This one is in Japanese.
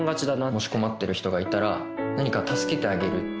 もし困ってる人がいたら何か助けてあげるっていう。